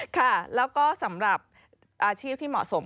ค่ะแล้วก็สำหรับอาชีพที่เหมาะสม